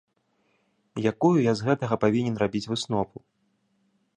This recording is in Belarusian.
Якую я з гэтага павінен рабіць выснову?